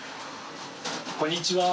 こんにちは。